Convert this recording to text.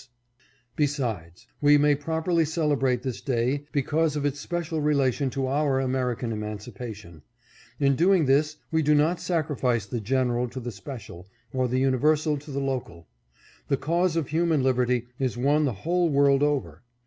606 THE CAUSE OF HUMAN LIBERTY IS UNIVERSAL. Besides : We may properly celebrate this day because of its special relation to our American Emancipation. In doing this we do not sacrifice the general to the special, or the universal to the local. The cause of human liberty is one the whole world over.